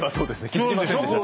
気付きませんでした